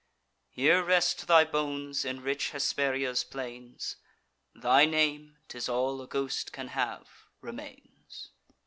Here rest thy bones in rich Hesperia's plains; Thy name ('tis all a ghost can have) remains.